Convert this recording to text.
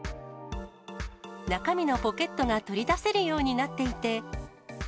中身のポケットが取り出せるようになっていて。